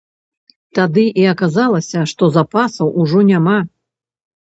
Тады і аказалася, што запасаў ужо няма.